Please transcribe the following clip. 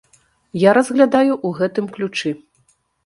Я разглядаю ў гэтым ключы.